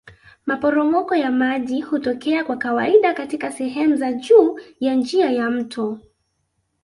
Maporomoko ya maji hutokea kwa kawaida katika sehemu za juu ya njia ya mto